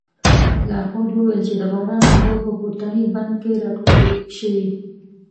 لارښود وویل چې د باران اوبه په پورتني بند کې راټولې شوې.